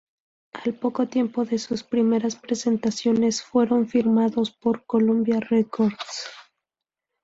Al poco tiempo de sus primeras presentaciones fueron firmados por Columbia Records.